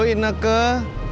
gua udah di depan mall